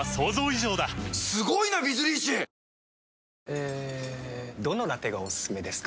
えどのラテがおすすめですか？